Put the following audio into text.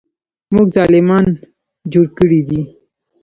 موږ ظالمان جوړ کړي دي.